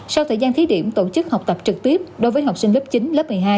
sau thời gian thí điểm tổ chức học tập trực tiếp đối với học sinh lớp chín lớp một mươi hai